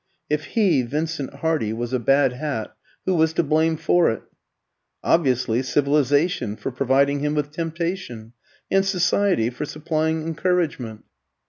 If he, Vincent Hardy, was a bad hat, who was to blame for it? Obviously, civilisation for providing him with temptation, and society for supplying encouragement.